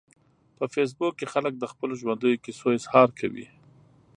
په فېسبوک کې خلک د خپلو ژوندیو کیسو اظهار کوي